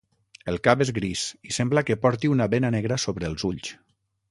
El cap és gris i sembla que porti una bena negra sobre els ulls.